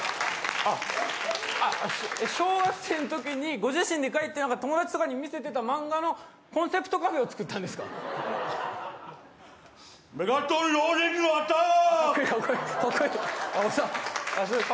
小学生のときにご自身で描いて友達に見せてた漫画のコンセプトカフェを作ったんですか？